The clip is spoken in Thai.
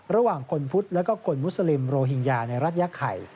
ระหว่างคนพุทธและคนมุสลิมโรฮิงญาในรัฐยาไข่